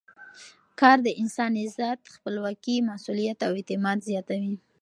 کار د انسان عزت، خپلواکي، مسؤلیت او اعتماد زیاتوي.